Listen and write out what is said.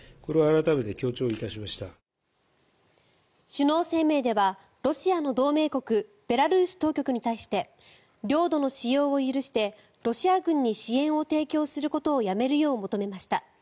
首脳声明ではロシアの同盟国ベラルーシ当局に対して領土の使用を許してロシア軍に支援を提供することをやめるよう求めました。